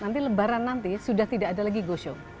nanti lebaran nanti sudah tidak ada lagi go show